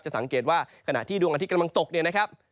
สังเกตว่าขณะที่ดวงอาทิตย์กำลังตกเนี่ยนะครับ